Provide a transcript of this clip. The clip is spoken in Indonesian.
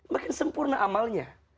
makin sempurna amalnya